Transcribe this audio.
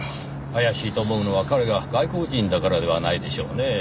怪しいと思うのは彼が外国人だからではないでしょうねぇ？